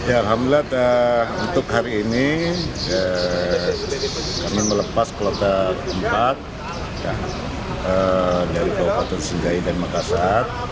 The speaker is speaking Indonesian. alhamdulillah untuk hari ini kami melepas kuartal keempat dari kabupaten singgahi dan makassar